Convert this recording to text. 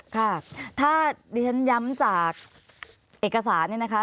ค่ะถ้าดิฉันย้ำจากเอกสารเนี่ยนะคะ